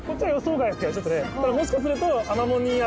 ただもしかすると。